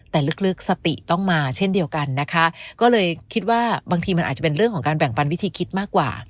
แต่ลึกสติต้องมาเช่นเดียวกันนะคะก็เลยคิดว่าบางทีมันอาจจะเป็นเรื่องของการแบ่งปันวิธีคิดมากกว่า